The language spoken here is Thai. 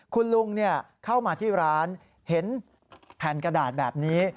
คุณลุงเข้ามาที่ร้านเห็นแผ่นกระดาษแบบนี้